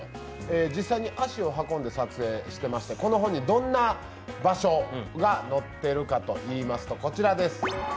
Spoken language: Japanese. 実際に足を運んで撮影していまして、この本にどんな場所が載っているかといいますと、こちらです。